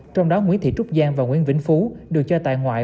trong đó nguyễn thị trúc giang và nguyễn vĩnh phú được cho tại ngoại